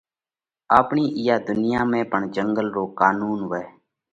آپڻِي اِيئا ڌُنيا ۾ پڻ جنڳل رو قانُونَ وئھ۔